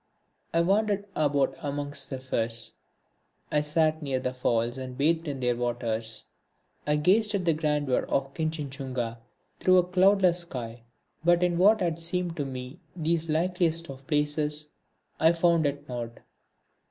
I wandered about amongst the firs, I sat near the falls and bathed in their waters, I gazed at the grandeur of Kinchinjunga through a cloudless sky, but in what had seemed to me these likeliest of places, I found it not.